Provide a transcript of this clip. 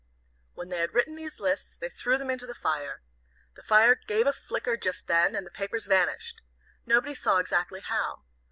When they had written these lists they threw them into the fire. The fire gave a flicker just then, and the papers vanished. Nobody saw exactly how.